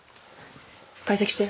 解析して。